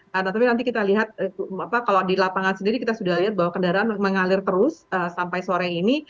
nah tetapi nanti kita lihat kalau di lapangan sendiri kita sudah lihat bahwa kendaraan mengalir terus sampai sore ini